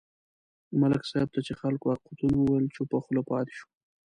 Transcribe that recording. ملک صاحب ته چې خلکو حقیقتونه وویل، چوپه خوله پاتې شو.